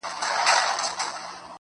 راسه دعا وكړو,